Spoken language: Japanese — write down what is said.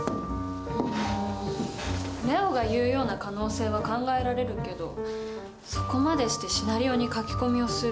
礼央が言うような可能性は考えられるけどそこまでしてシナリオに書き込みをする動機が分からない。